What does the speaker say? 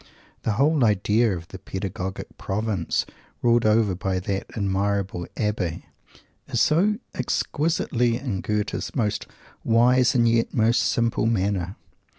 The whole idea of the "Pedagogic Province," ruled over by that admirable Abbé, is so exquisitely in Goethe's most wise and yet most simple manner!